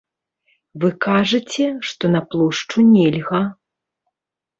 Вы кажаце, што на плошчу нельга.